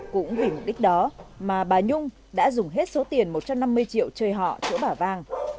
cũng vì mục đích đó mà bà nhung đã dùng hết số tiền một trăm năm mươi triệu chơi họ chỗ bà vang